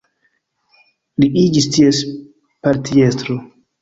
Li iĝis ties partiestro.